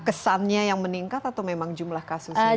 kesannya yang meningkat atau memang jumlah kasus yang meningkat